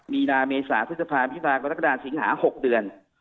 มีนาเมษาพฤษภามิพากรกฎาสิงหา๖เดือน